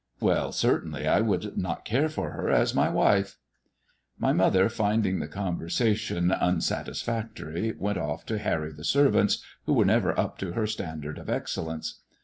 " Well, certainly I would not care for her as my wife." My mother, finding the conversation unsatisfactory, went o£E to harry the servants, who were never up to her standard of excellence.